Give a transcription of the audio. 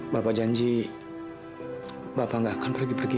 tak keluar sekarang kak siti